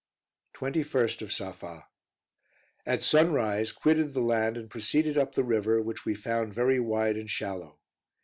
21st of Safa. At sunrise, quitted the land and proceeded up the river, which we found very wide and shallow.